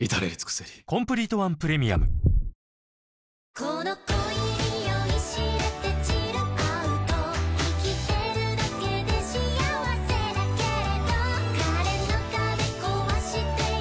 この恋に酔い痴れてチルアウト生きてるだけで幸せだけれど彼の壁壊してよ